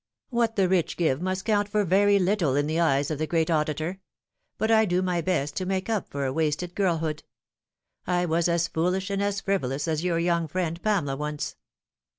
What the rich give must count for very little in the eyes of the Great Auditor. But I do my best to make up for a wasted girlhood. I was as f ooliwh and as frivolous as your young friend Pamela once."